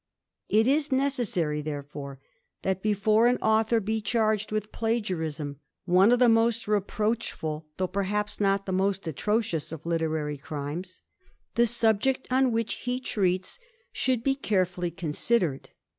It is necessary, therefore, that before an authcnr b^ charged with plagiarism, one of the most reproachful* though, perhaps, not the most atrocious of literary crime^y the subject on which he treats should be carefully cor^'" sidered.